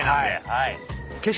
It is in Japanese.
はい。